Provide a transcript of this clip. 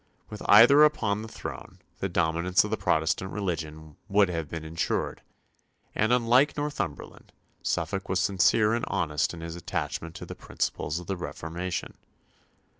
With either upon the throne the dominance of the Protestant religion would have been ensured, and, unlike Northumberland, Suffolk was sincere and honest in his attachment to the principles of the Reformation.